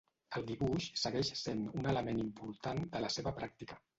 El dibuix segueix sent un element important de la seva pràctica.